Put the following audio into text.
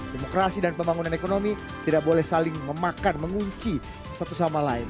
demokrasi dan pembangunan ekonomi tidak boleh saling memakan mengunci satu sama lain